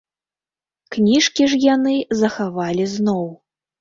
Кніжкі ж яны захавалі зноў.